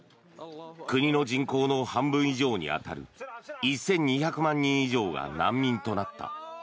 国の人口の半分以上に当たる１２００万人以上が難民となった。